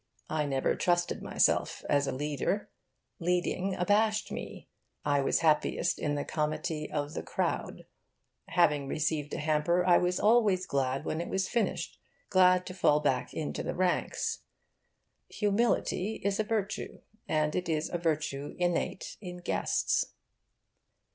I never trusted myself as a leader. Leading abashed me. I was happiest in the comity of the crowd. Having received a hamper, I was always glad when it was finished, glad to fall back into the ranks. Humility is a virtue, and it is a virtue innate in guests.